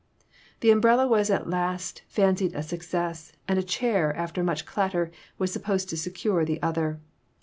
The umbrella was at last fancied a success, and a chair, after much clatter, was supposed to secure the other.